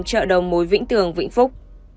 chợ đồng mối vĩnh tường vĩnh phúc